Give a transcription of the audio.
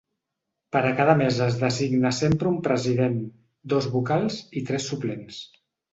Per a cada mesa es designa sempre un president, dos vocals i tres suplents.